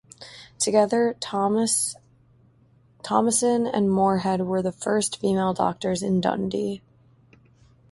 Together Thomson and Moorhead were the first female doctors in Dundee.